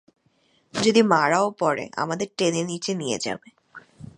যদি মারাও পড়ে, আমাদের টেনে নিচে নিয়ে যাবে!